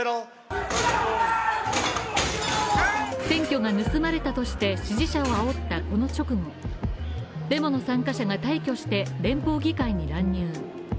選挙が盗まれたとして支持者をあおったこの直後、デモの参加者が大挙して連邦議会に乱入。